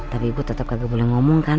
tapi gue tetap gak boleh ngomong kan